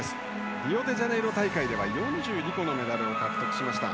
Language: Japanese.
リオデジャネイロ大会では４２個のメダルを獲得しました。